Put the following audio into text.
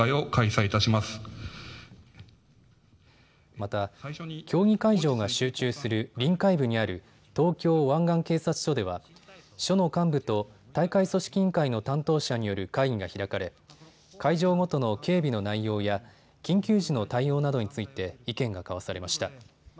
また競技会場が集中する臨海部にある東京湾岸警察署では署の幹部と大会組織委員会の担当者による会議が開かれ会場ごとの警備の内容や緊急時の対応などについて意見が交わされました。